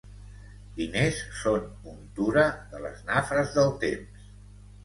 Diners són untura de les nafres del temps.